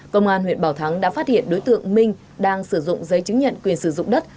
công an huyện bảo thắng đã phát hiện đối tượng minh đang sử dụng giấy chứng nhận quyền sử dụng đất